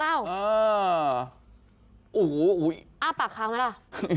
อ้าปากค้างเลยอะ